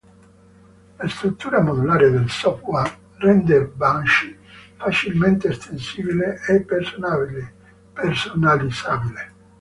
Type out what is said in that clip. La struttura modulare del software, rende Banshee facilmente estensibile e personalizzabile.